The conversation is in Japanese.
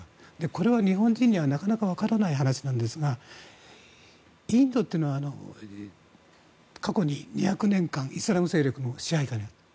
これは日本人にはなかなかわからない話ですがインドというのは、過去に２００年間イスラム勢力の支配下にあった。